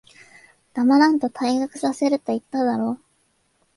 黙らんと、退学させると言っただろ。